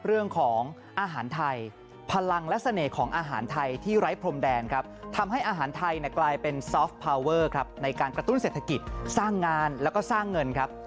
เรื่องของอาหารไทยพลังและเสน่ห์ของอาหารไทยที่ไร้พรมแดนครับทำให้อาหารไทยกลายเป็นซอฟพาวเวอร์ครับในการกระตุ้นเศรษฐกิจสร้างงานแล้วก็สร้างเงินครับ